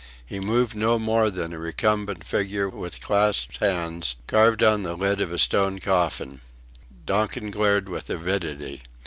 He moved no more than a recumbent figure with clasped hands, carved on the lid of a stone coffin. Donkin glared with avidity.